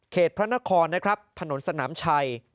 พระนครนะครับถนนสนามชัย